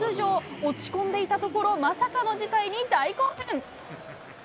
落ち込んでいたところ、まさかの事態に大興奮。